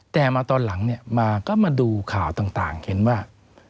แต่มาตอนหลังเนี่ยมาก็มาดูข่าวต่างเห็นว่า